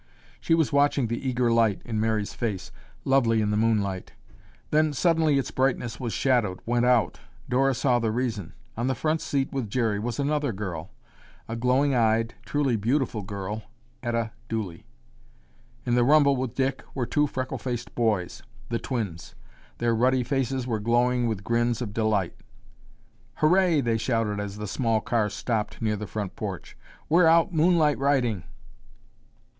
She was watching the eager light in Mary's face, lovely in the moonlight. Then, suddenly its brightness was shadowed, went out. Dora saw the reason. On the front seat with Jerry was another girl, a glowing eyed, truly beautiful girl, Etta Dooley. In the rumble with Dick were two freckle faced boys, the twins. Their ruddy faces were glowing with grins of delight. "Hurray!" they shouted as the small car stopped near the front porch. "We're out moonlight riding."